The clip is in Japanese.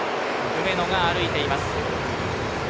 梅野が歩いています。